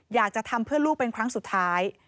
อยากจะทำเพื่อลูกเป็นครั้งสุดท้าย